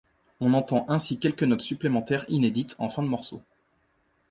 On entend ainsi quelques notes supplémentaires inédites en fin de morceau.